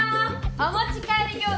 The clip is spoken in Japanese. お持ち帰り餃子